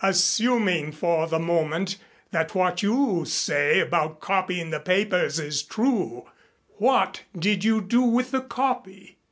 "Assuming for the moment that what you say about copying the papers is true, what did you do with the copy?"